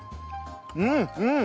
うんうん！